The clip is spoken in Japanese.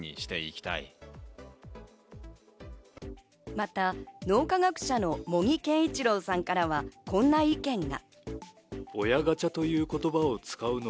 また脳科学者の茂木健一郎さんからはこんな意見が。